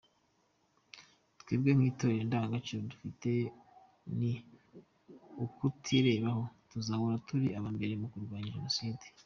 Twebwe nk’Itorero indangagaciro dufite ni ukutirebaho, tuzahora turi aba mbere mu kurwanya Jenoside.